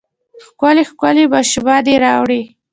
ښکلې ، ښکلې ماشومانې راوړي